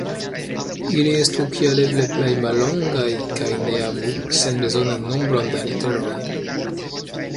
Ili estu kiel eble plej mallongaj kaj ne havu senbezonan nombron da literoj.